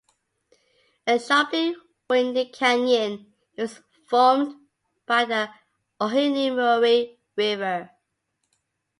A sharply winding canyon, it was formed by the Ohinemuri River.